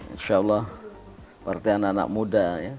insya allah partai anak anak muda ya